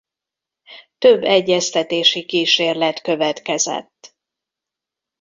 Több egyeztetési kísérlet következett.